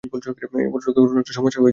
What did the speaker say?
ভদ্রলোকের কোনো- একটা সমস্যা হয়েছে।